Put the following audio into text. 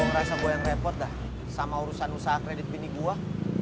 gua ngerasa gua yang repot dah sama urusan usaha kredit pini gua